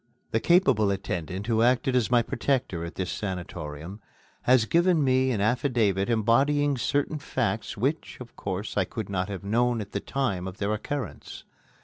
The capable attendant who acted as my protector at this sanatorium has given me an affidavit embodying certain facts which, of course, I could not have known at the time of their occurrence.